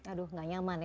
aduh gak nyaman